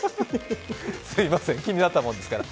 すみません、気になったもんですから。